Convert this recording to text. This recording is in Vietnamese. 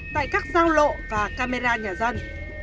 tại các giao lộ và camera nhà dân